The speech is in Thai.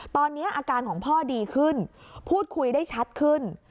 ตอนนี้อาการของพ่อดีขึ้นพูดคุยได้ชัดขึ้น